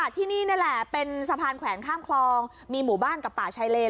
ที่นี่นี่แหละเป็นสะพานแขวนข้ามคลองมีหมู่บ้านกับป่าชายเลน